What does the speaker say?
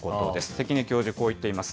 関根教授、こう言っています。